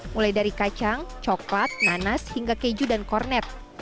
mulai dari kacang coklat nanas hingga keju dan kornet